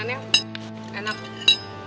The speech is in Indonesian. ini tuh makanannya enak